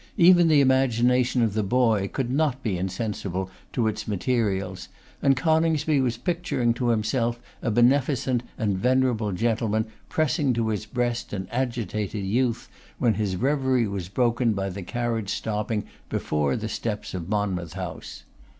Even the imagination of the boy could not be insensible to its materials; and Coningsby was picturing to himself a beneficent and venerable gentleman pressing to his breast an agitated youth, when his reverie was broken by the carriage stopping before the gates of Monmouth House.